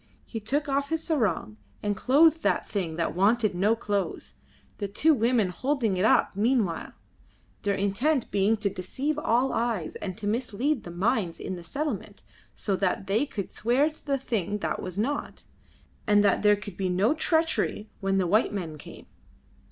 He took off his sarong and clothed that thing that wanted no clothes, the two women holding it up meanwhile, their intent being to deceive all eyes and to mislead the minds in the settlement, so that they could swear to the thing that was not, and that there could be no treachery when the white men came.